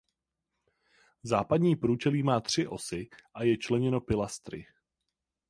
Západní průčelí má tři osy a je členěno pilastry.